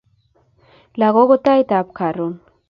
Lakok ko Tait an Karon